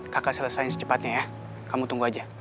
kakak selesai secepatnya ya kamu tunggu aja